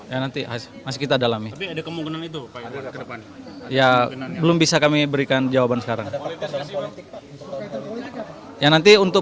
ya nanti masih kita dalam itu ya belum bisa kami berikan jawaban sekarang ya nanti untuk